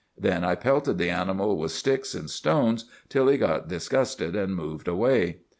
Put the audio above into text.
Then I pelted the animal with sticks and stones till he got disgusted and moved away.